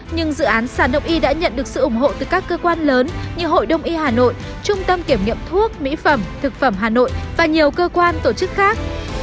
nhưng dự án sản động y đã nhận được sự ủng hộ từ các cơ quan lớn như hội đông y hà nội trung tâm kiểm nghiệm thuốc mỹ phẩm thực phẩm hà nội và nhiều cơ quan tổ chức khác